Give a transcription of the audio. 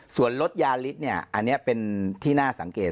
ส่วนรถยาฤทธิ์เนี่ยอันนี้เป็นที่น่าสังเกต